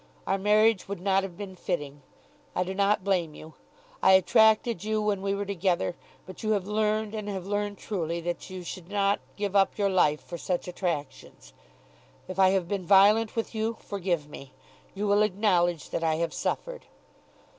Our marriage would not have been fitting. I do not blame you. I attracted you when we were together; but you have learned and have learned truly that you should not give up your life for such attractions. If I have been violent with you, forgive me. You will acknowledge that I have suffered.